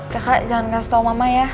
kakak jangan kasih tau mama ya